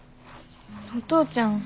お父ちゃん